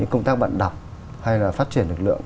công tác bạn đọc hay là phát triển lực lượng